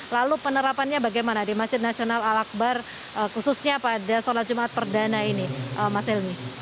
lalu penerapannya bagaimana di masjid nasional al akbar khususnya pada sholat jumat perdana ini mas helmi